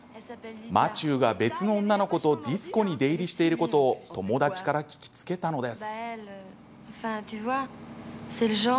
マチューが別の女の子とディスコに出入りしていることを友達から聞きつけたのです。